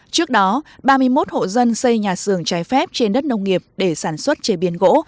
trước đó ba mươi một hộ dân xây nhà xưởng trái phép trên đất nông nghiệp để sản xuất chế biến gỗ